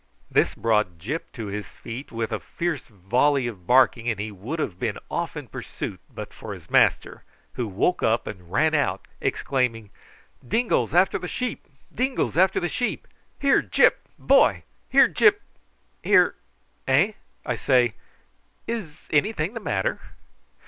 This brought Gyp to his feet with a fierce volley of barking, and he would have been off in pursuit but for his master, who woke up and ran out exclaiming: "Dingoes after the sheep! dingoes after the sheep! Here, Gyp, boy! here, Gyp here eh! I say, is anything the matter?"